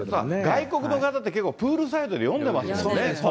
外国の方って、結構プールサイドで読んでますもんね。